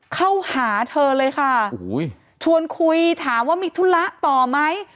เข้าหาเธอเลยค่ะชวนคุยถามว่ามีธุระต่อไหม